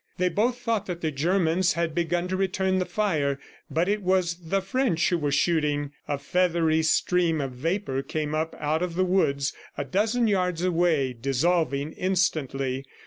They both thought that the Germans had begun to return the fire, but it was the French who were shooting. A feathery stream of vapor came up out of the woods a dozen yards away, dissolving instantly.